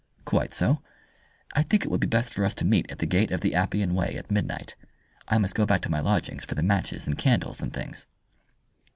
"Quite so. I think it would be best for us to meet at the Gate of the Appian Way at midnight. I must go back to my lodgings for the matches and candles and things."